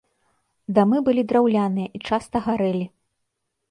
Дамы былі драўляныя і часта гарэлі.